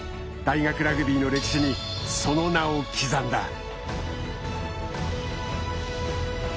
大学ラグビーの歴史にその名を刻んだ。